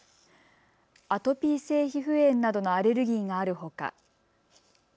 アトピー性皮膚炎などのアレルギーがあるほか。